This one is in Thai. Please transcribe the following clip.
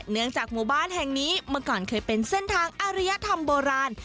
เนื่องจากหมู่บ้านแห่งนี้เมื่อก่อนเคยเป็นเส้นทางอริยธรรมโบราณ